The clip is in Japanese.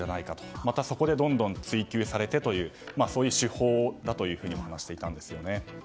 またそこで追及されてとそういう手法だと話していたんですね。